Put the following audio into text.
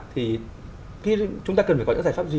thì chúng ta cần phải có những giải pháp gì